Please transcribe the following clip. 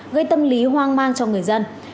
gây tâm lý hoang mang cho người dân